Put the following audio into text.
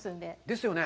ですよね。